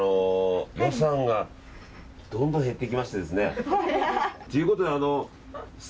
予算がどんどん減っていきまして。